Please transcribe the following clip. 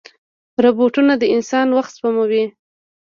روبوټونه د انسان وخت سپموي.